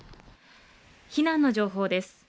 避難の情報です。